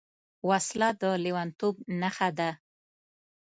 وسله د لېونتوب نښه ده